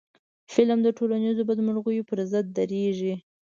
فلم د ټولنیزو بدمرغیو پر ضد درېږي